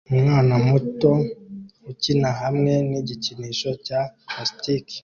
Umwana muto ukina hamwe nigikinisho cya plastiki